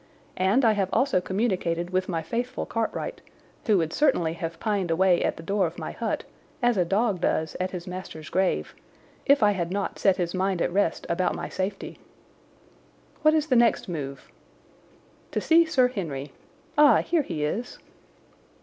And I have also communicated with my faithful Cartwright, who would certainly have pined away at the door of my hut, as a dog does at his master's grave, if I had not set his mind at rest about my safety." "What is the next move?" "To see Sir Henry. Ah, here he is!"